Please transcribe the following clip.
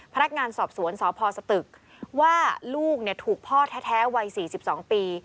พนักงานสอบสวนสพสตึกว่าลูกถูกพ่อแท้วัย๔๒ปี